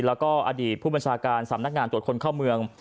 แล้วก็อดีตผู้บัญชาการสำนักงานตรวจคนเข้าเมือง